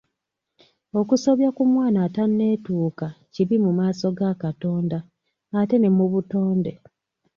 Okusobya ku mwana atanneetuuka kibi mu maaso ga Katonda ne mu butonde.